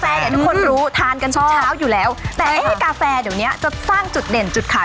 เนี่ยทุกคนรู้ทานกันเช้าอยู่แล้วแต่เอ๊ะกาแฟเดี๋ยวเนี้ยจะสร้างจุดเด่นจุดขาย